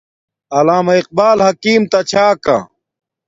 علامہ اقبال حکیم تا چھا کا